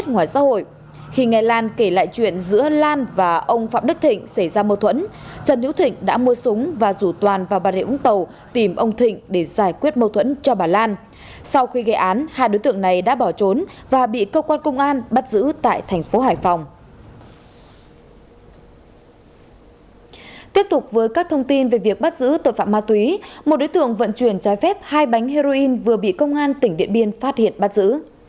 tiếp tục với các thông tin về việc bắt giữ tội phạm ma túy một đối tượng vận chuyển trái phép hai bánh heroin vừa bị công an tỉnh điện biên phát hiện bắt giữ